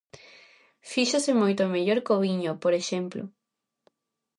Fíxose moito mellor co viño, por exemplo.